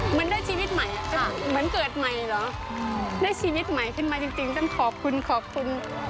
เหมือนได้ชีวิตใหม่เหมือนเกิดใหม่เหรอได้ชีวิตใหม่ขึ้นมาจริงต้องขอบคุณขอบคุณ